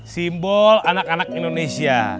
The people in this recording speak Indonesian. simbol anak anak indonesia